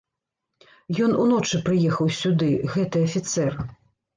Ён уночы прыехаў сюды, гэты афіцэр.